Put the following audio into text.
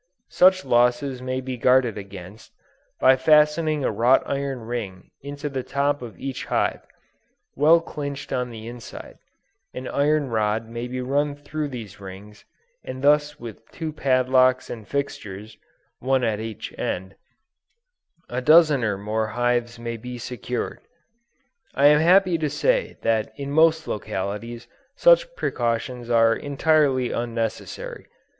Such losses may be guarded against, by fastening a wrought iron ring into the top of each hive, well clinched on the inside; an iron rod may run through these rings, and thus with two padlocks and fixtures, (one at each end,) a dozen or more hives may be secured. I am happy to say that in most localities such precautions are entirely unnecessary.